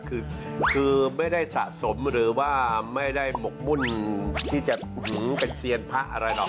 คือไม่ได้สะสมหรือว่าไม่ได้หมกมุ่นที่จะเป็นเซียนพระอะไรหรอก